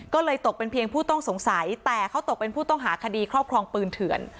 ก็เลยตกเป็นเพียงผู้ต้องสงสัยแต่เขาตกเป็นผู้ต้องหาคดีครอบครองปืนเถื่อน